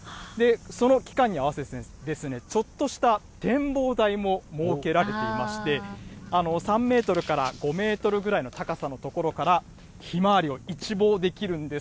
その期間に合わせて、ちょっとした展望台も設けられていまして、３メートルから５メートルぐらいの高さの所からひまわりを一望できるんです。